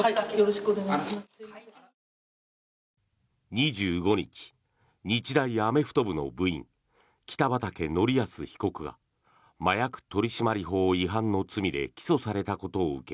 ２５日、日大アメフト部の部員北畠成文被告が麻薬取締法違反の罪で起訴されたことを受け